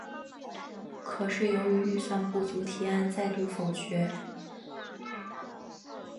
可是由于预算不足提案再度否决。